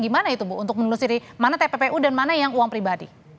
gimana itu bu untuk menelusuri mana tppu dan mana yang uang pribadi